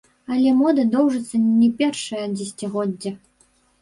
Але мода доўжыцца не першае дзесяцігоддзе.